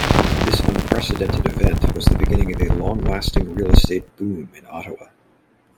This unprecedented event was the beginning of a long-lasting real estate boom in Ottawa.